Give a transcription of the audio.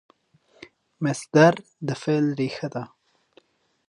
مصدر د فعل ریښه ده.